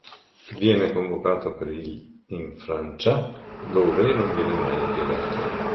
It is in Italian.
Viene convocato per il in Francia, dove non viene mai impiegato.